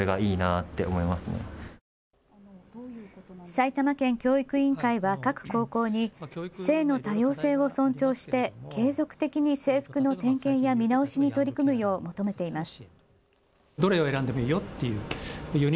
埼玉県教育委員会は各高校に性の多様性を尊重して継続的に制服の点検や見直しに取り組むよう求めています。